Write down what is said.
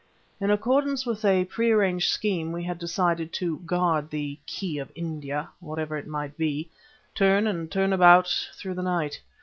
In accordance with a pre arranged scheme we had decided to guard "the key of India" (whatever it might be) turn and turn about through the night.